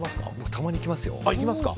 たまに行きますよ。